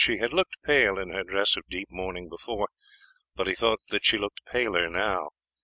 She had looked pale in her dress of deep mourning before, but he thought that she looked paler now.